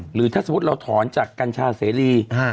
หรือถ้าสมมุติเราถอนจากกัญชาเสรี